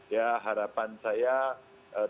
ya harapan saya tidak tetap tidak berubah